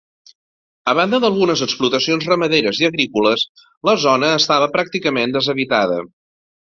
A banda d'algunes explotacions ramaderes i agrícoles, la zona estava pràcticament deshabitada.